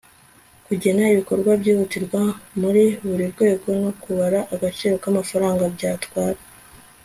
kugena ibikorwa byihutirwa muri buri rwego no kubara agaciro k'amafaranga byatwara